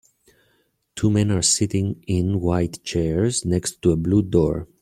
Two men are sitting in white chairs next to a blue door.